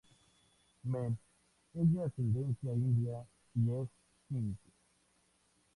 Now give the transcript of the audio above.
Mann es de ascendencia india y es Sikh.